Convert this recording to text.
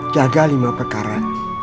jaga lima perkara